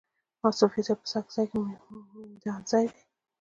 صوفي صاحب په ساکزی کي مندینزای دی.